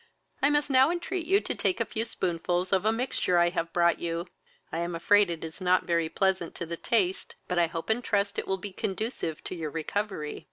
I must now entreat you to take a few spoonfuls of a mixture I have brought you. I am afraid it is not very pleasant to the taste, but I hope and trust it will be conducive to your recovery."